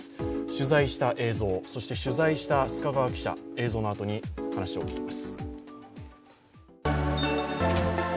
取材した映像、そして取材した須賀川記者、映像のあとに話を聞きます。